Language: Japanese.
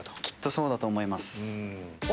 きっとそうだと思います。